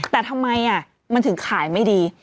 แต่ทำไมมันถึงขายไม่ดี